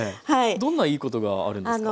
どんないいことがあるんですか？